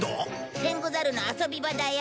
テングザルの遊び場だよ。